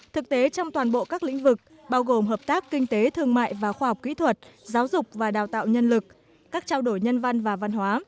thực tế trong toàn bộ các lĩnh vực bao gồm hợp tác kinh tế thương mại và khoa học kỹ thuật giáo dục và đào tạo nhân lực các trao đổi nhân văn và văn hóa